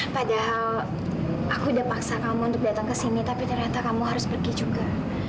padahal aku udah paksa kamu untuk datang ke sini tapi ternyata kamu harus pergi juga